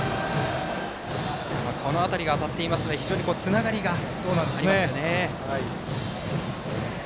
この辺りが当たっていますので非常につながりがありますよね。